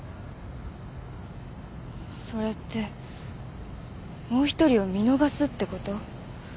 それってもう一人を見逃すって事？